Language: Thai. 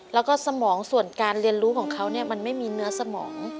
แล้วก็สมองส่วนการเรียนรู้ของเขามันไม่มีเนื้อสมอง